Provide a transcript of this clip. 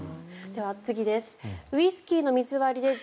では、次です。